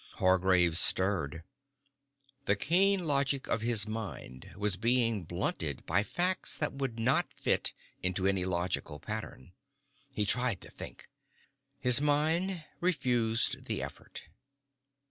Hargraves stirred. The keen logic of his mind was being blunted by facts that would not fit into any logical pattern. He tried to think. His mind refused the effort.